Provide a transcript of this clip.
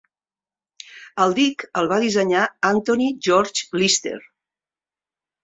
El dic el va dissenyar Anthony George Lyster.